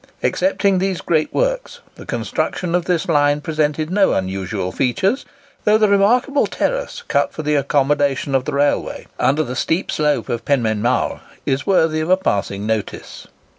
Excepting these great works, the construction of this line presented no unusual features; though the remarkable terrace cut for the accommodation of the railway under the steep slope of Penmaen Mawr is worthy of a passing notice.